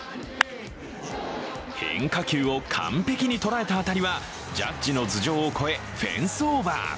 変化球を完璧に捉えた当たりはジャッジの頭上を越え、フェンスオーバー。